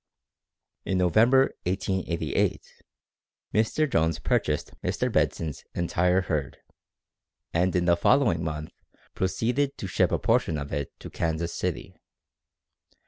In November, 1888, Mr. Jones purchased Mr. Bedson's entire herd, and in the following mouth proceeded to ship a portion of it to Kansas City.